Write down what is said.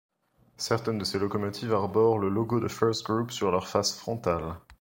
Certaines de ces locomotives arborent le logo de First Group sur leur faces frontales.